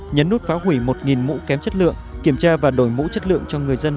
nhấn nút phá hủy một mũ kém chất lượng kiểm tra và đổi mũ chất lượng cho người dân